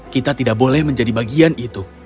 kita tidak boleh menjadi bagian itu